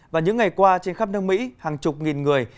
và những ngày qua trên khắp nước mỹ hàng chục nghìn người